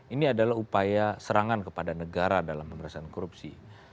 ini adalah upaya serangan kepada negara dalam pemerintahan korupsi